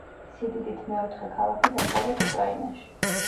სიდიდით მეოთხე ქალაქი დასავლეთ უკრაინაში.